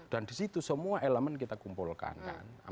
dan di situ semua elemen kita kumpulkan kan